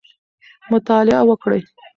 مطالعه وکړئ.